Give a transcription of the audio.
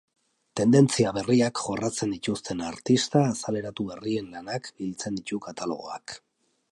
Tendentzia berriak jorratzen dituzten artista azaleratu berrien lanak biltzen ditu katalogoak.